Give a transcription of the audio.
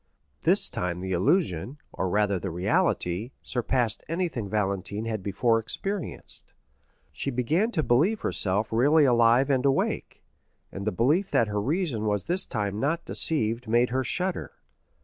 This time the illusion, or rather the reality, surpassed anything Valentine had before experienced; she began to believe herself really alive and awake, and the belief that her reason was this time not deceived made her shudder.